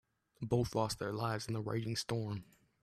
Both lost their lives in the raging storm.